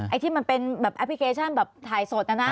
ที่มันเป็นแบบแอปพลิเคชันแบบถ่ายสดนะนะ